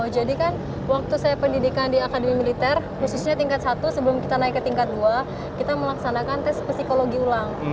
jadi kan waktu saya pendidikan di akademi militer khususnya tingkat satu sebelum kita naik ke tingkat dua kita melaksanakan tes psikologi ulang